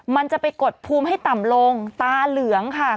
มันจะไปกดภูมิให้ต่ำลงตาเหลืองค่ะ